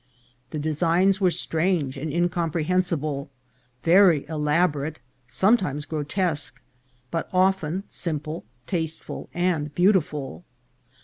The designs were strange and incomprehen sible, very elaborate, sometimes grotesque, but often simple, tasteful, and beautiful.